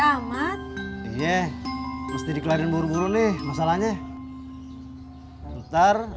ahmad iya pasti dikelarin buru buru nih masalahnya ntar habis dari pasar